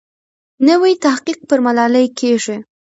نوی تحقیق پر ملالۍ کېږي.